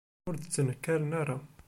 Ur d-ttnekkaren ara.